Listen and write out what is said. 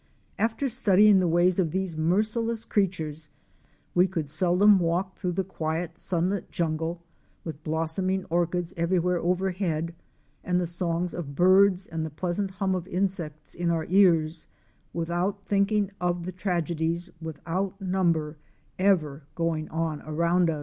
After studying the ways of these merciless creatures, we could seldom walk through the quiet, sunlit jungle, with blossoming orchids everywhere overhead and the songs of birds and pleasant hum of insects in our ears, without thinking of the tragedies without number ever going on around us.